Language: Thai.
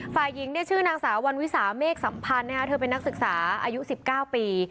ฝ่ายหญิงเนี่ยชื่อนางสาววันวิสาเมฆสัมพันธ์นะครับเธอเป็นนักศึกษาอายุสิบเก้าปี